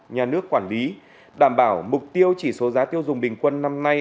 nhà nước quản lý đảm bảo mục tiêu chỉ số giá tiêu dùng bình quân năm nay